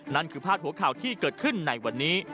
นั่นคือพาดหัวข่าวที่เกิดขึ้นในวันนี้